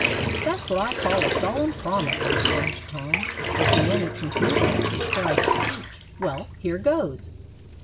"That's what I call a solemn promise," exclaimed Tom, as Nanny concluded the prescribed speech. "Well, here goes!"